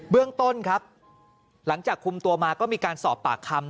เรื่องต้นครับหลังจากคุมตัวมาก็มีการสอบปากคำ